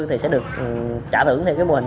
thì sẽ được trả thưởng mô hình kêu gọi vốn nhị phân